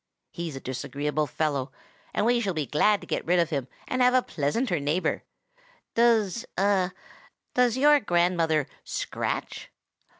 He's a disagreeable fellow, and we shall be glad to get rid of him and have a pleasanter neighbor. Does—a—does your grandmother scratch?"